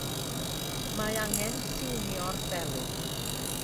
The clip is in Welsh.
Mae angen tiwnio'r delyn.